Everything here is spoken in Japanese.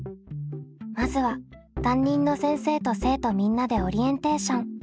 まずは担任の先生と生徒みんなでオリエンテーション。